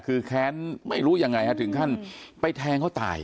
คือแค้นไม่รู้ยังไงฮะถึงขั้นไปแทงเขาตาย